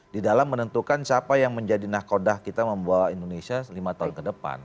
di dalam menentukan siapa yang menjadi nakodah kita membawa indonesia lima tahun ke depan